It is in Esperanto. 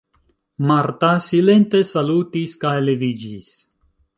Marta silente salutis kaj leviĝis.